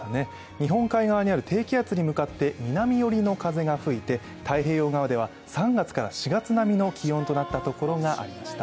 日本海側にある低気圧に向かって、南寄りの風が吹いて太平洋側では、３月から４月並みの気温となったところがありました。